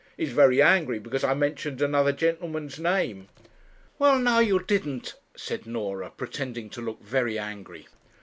'He's very angry because I mentioned another gentleman's name.' 'Well, now you didn't?' said Norah, pretending to look very angry.